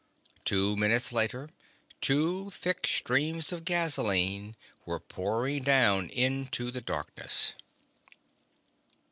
Two minutes later, two thick streams of gasoline were pouring down into the darkness.